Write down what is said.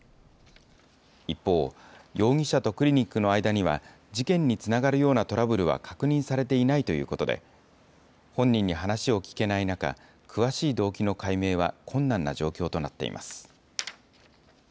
一方、容疑者とクリニックの間には、事件につながるようなトラブルは確認されていないということで、本人に話を聞けない中、詳しい動機の解明は困難な状況となっています。